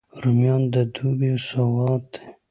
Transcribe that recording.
رومیان د دوبي سوغات دي